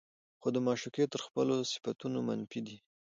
خو د معشوقې تر خپلو صفتونو منفي دي